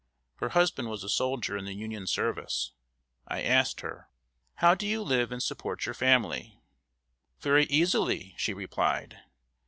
Her husband was a soldier in the Union service. I asked her: "How do you live and support your family?" "Very easily," she replied.